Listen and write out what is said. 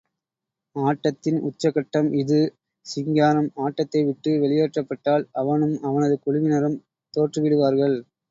ஆட்டத்தின் உச்சக்கட்டம் இது, சிங்காரம் ஆட்டத்தைவிட்டு வெளியேற்றபட்டால், அவனும் அவனது குழுவினரும் தோற்று விடுவார்கள்.